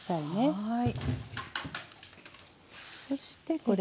はい。